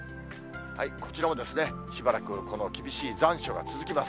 こちらもしばらく、この厳しい残暑が続きます。